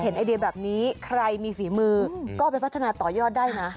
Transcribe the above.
ก็เป็นพัฒนาต่อยอดได้นะ